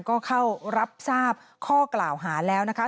ก็เข้ารับทราบข้อกล่าวหาแล้วนะคะ